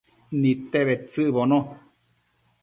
Nidte bedtsëcbono